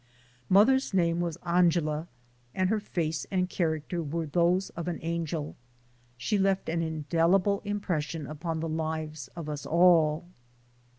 Mother's name was Angela and her face and character were those of an angel. She left an indelible impression upon the lives of us all.